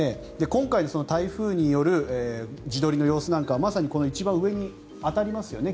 今回、台風による自撮りの様子なんかはまさにこの一番上に当たりますよね。